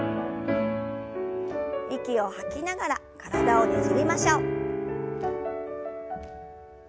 息を吐きながら体をねじりましょう。